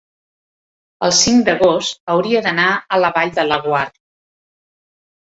El cinc d'agost hauria d'anar a la Vall de Laguar.